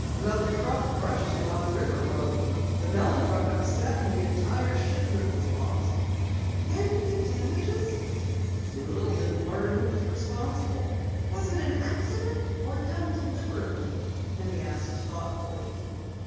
Another truck brushed him on the River road. The melon truck upset, and the entire shipment was lost." "Can't he get damages?" "Doolittle didn't learn who was responsible." "Was it an accident or done deliberately?" Penny asked thoughtfully.